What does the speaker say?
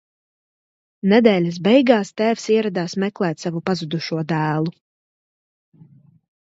Nedēļas beigās tēvs ieradās meklēt savu pazudušo dēlu.